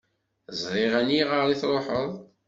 Ẓriɣ aniɣer i truḥeḍ.